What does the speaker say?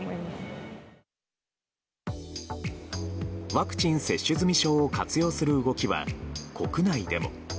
ワクチン接種済証を活用する動きは、国内でも。